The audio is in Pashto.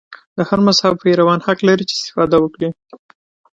د هر مذهب پیروان حق لري چې استفاده وکړي.